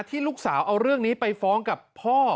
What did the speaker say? ที่ลูกสาวเอาเรื่องนี้ไปฟ้องกับพ่อ